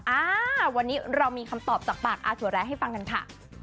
อ่าวันนี้เรามีคำตอบจากปากอาสัวแร้ให้ฟังกันค่ะ